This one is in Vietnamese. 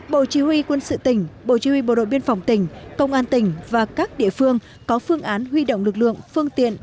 bộ chỉ huy quân sự tỉnh bộ chỉ huy bộ đội biên phòng tỉnh công an tỉnh và các địa phương có phương án huy động lực lượng phương tiện